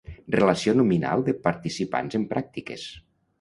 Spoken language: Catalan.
Relació nominal de participants en pràctiques.